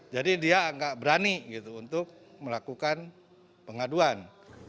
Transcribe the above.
jadi dia nggak berani untuk melakukan pengaduan